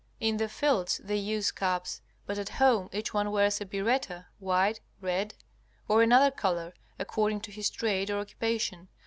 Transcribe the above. In the fields they use caps, but at home each one wears a biretta, white, red, or another color according to his trade or occupation.